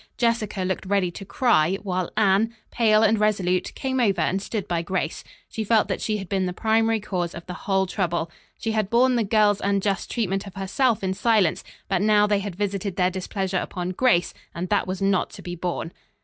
Jessica looked ready to cry, while Anne, pale and resolute, came over and stood by Grace. She felt that she had been the primary cause of the whole trouble. She had borne the girls' unjust treatment of herself in silence, but, now, they had visited their displeasure upon Grace, and that was not to be borne.